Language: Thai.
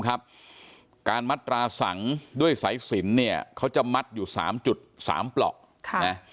การมัดตราสังด้วยสายสินเนี่ยเขาจะมัดอยู่๓๓ปลอกนะ